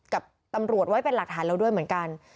กับตำรวจไว้เป็นหลักฐานเราด้วยเหมือนกัน